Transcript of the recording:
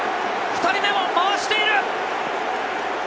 ２人目も回している！